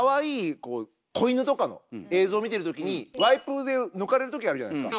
こう子犬とかの映像見てる時にワイプで抜かれる時あるじゃないですか。